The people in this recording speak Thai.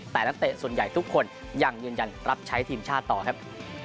แต่นักเตะส่วนใหญ่ทุกคนยังยืนยันรับใช้ทีมชาติต่อครับ